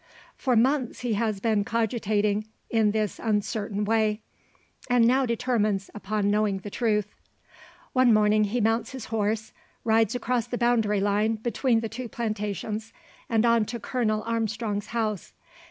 For months he has been cogitating in this uncertain way; and now determines upon knowing the truth. One morning he mounts his horse; rides across the boundary line between the two plantations, and on to Colonel Armstrong's house.